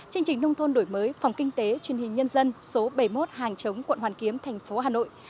chương trình nông thôn đổi mới phòng kinh tế truyền hình nhân dân số bảy mươi một hàng chống quận hoàn kiếm thành phố hà nội